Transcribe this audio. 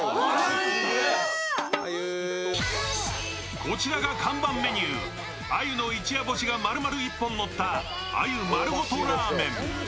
こちらが看板メニュー、鮎の一夜干しが丸々一本のった鮎マルゴトラーメン。